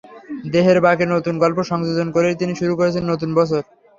দেহের বাঁকে নতুন গল্প সংযোজন করেই তিনি শুরু করেছেন নতুন বছর।